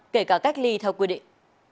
kể cả cách ly theo quy định